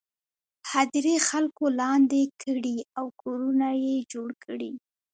هدیرې خلکو لاندې کړي او کورونه یې جوړ کړي.